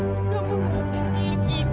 maksudnya kamu berhenti gini luffy